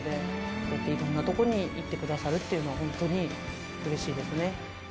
こうやっていろんなとこに行ってくださるっていうのはホントにうれしいですね。